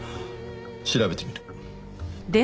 調べてみる。